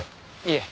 いえ。